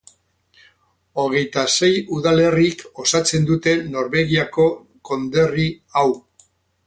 Hogeita sei udalerrik osatzen dute Norvegiako konderri hau.